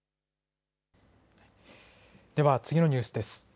では次のニュースです。